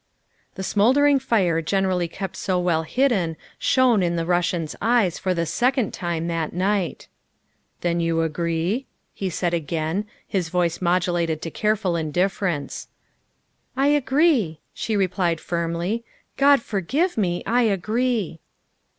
The smouldering fire generally kept so well hidden shone in the Russian's eyes for the second time that night. " Then you agree?" he said again, his voice modu lated to careful indifference. " I agree," she replied firmly, " God forgive me, I agree.